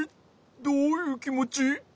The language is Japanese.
どういうきもち？